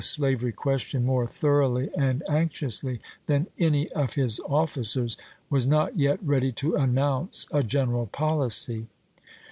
° slavery question more thoroughly and anxiously 1862™ wV than any of his officers, was not yet ready to ^p.'swT"' announce a general policy.